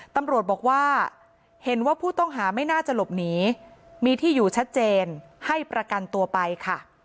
ตำรวจบอกว่าเห็นว่าผู้ต้องหาไม่น่าจะหลบหนีมีที่อยู่ชัดเจนให้ประกันตัวไปค่ะ